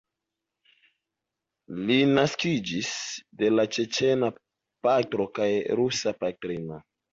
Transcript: Li naskiĝis de la ĉeĉena patro kaj rusa patrino.